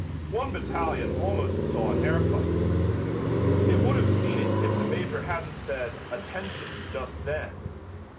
One battalion almost saw an air fight. It would have seen it if the Major hadn't said "Attention!" just then.